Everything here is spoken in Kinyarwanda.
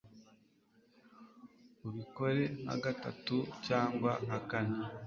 ubikore nka gatatu cyangwa nka kane